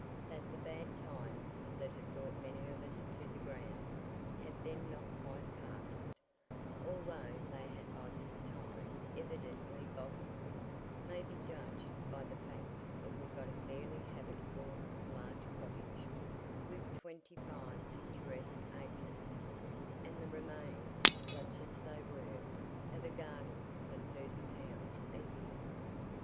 That the bad times that had brought many of us to the ground had then not quite passed, although they had by this time evidently "bottomed," may be judged by the fact that we got a fairly habitable large cottage, with twenty five picturesque acres, and the remains, such as they were, of a garden, for 30 pounds a year.